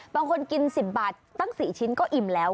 บางคนกิน๑๐บาทตั้ง๔ชิ้นก็อิ่มแล้ว